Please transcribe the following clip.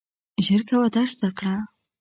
ژر کوه درس زده کړه !